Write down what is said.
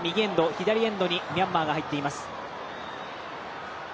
左エンドにミャンマーが入っています。